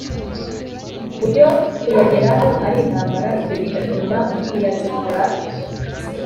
buryo kuyageraho ari intambara, ibyo bigatuma kuyacukura